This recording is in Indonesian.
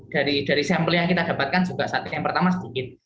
jadi dari sampel yang kita dapatkan juga saat yang pertama sedikit